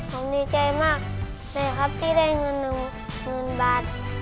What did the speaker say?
ผมสนิใจมากเลยครับที่ได้เงินหนึ่งหมื่นบาท